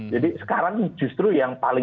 jadi sekarang justru yang paling